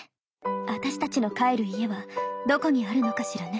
あたしたちの帰る家はどこにあるのかしらね。